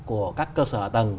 của các cơ sở hạ tầng